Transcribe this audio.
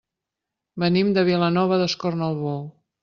Venim de Vilanova d'Escornalbou.